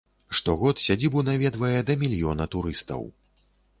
Штогод сядзібу наведвае да мільёна турыстаў.